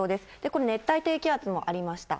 これ、熱帯低気圧もありました。